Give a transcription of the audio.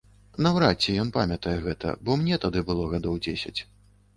Наўрад ці ён памятае гэта, бо мне тады было гадоў дзесяць.